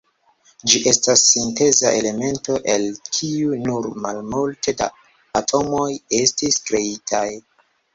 Ĝi estas sinteza elemento, el kiu nur malmulte da atomoj estis kreitaj.